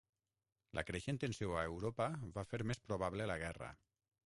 La creixent tensió a Europa va fer més probable la guerra.